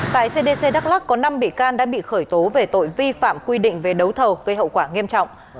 tại cdc đắk lắc có năm bị can đã bị khởi tố về tội vi phạm quy định về đấu thầu gây hậu quả nghiêm trọng